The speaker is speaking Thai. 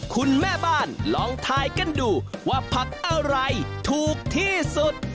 คุณแม่บ้านลองทายกันดูว่าผักอะไรถูกที่สุด